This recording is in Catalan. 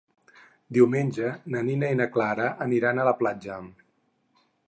Diumenge na Nina i na Clara aniran a la platja.